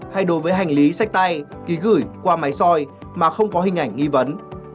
hay đối với hành lý sách tay ký gửi qua máy soi mà không có hình ảnh nghi vấn